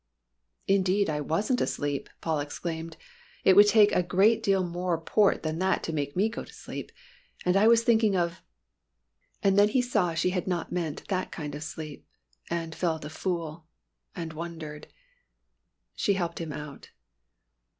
"Indeed I wasn't asleep!" Paul exclaimed. "It would take a great deal more port than that to make me go to sleep. I was thinking of " And then he saw she had not meant that kind of sleep, and felt a fool and wondered. She helped him out.